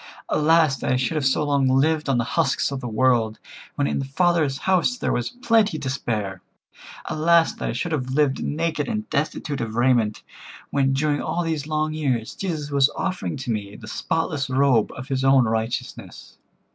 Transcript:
Alas! that I should have so long lived on the husks of the world, when in the Father's house there was plenty and to spare. Alas! that I should have lived naked and destitute of raiment, when during all these long years Jesus was offering to me the spotless robe of His own righteousness.